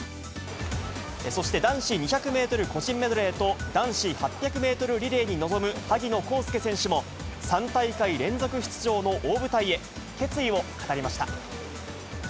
そして男子２００メートル個人メドレーと、男子８００メートルリレーに臨む萩野公介選手も３大会連続出場の大舞台へ、決意を語りました。